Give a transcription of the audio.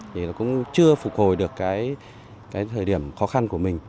thì nó cũng chưa phục hồi được cái thời điểm khó khăn của mình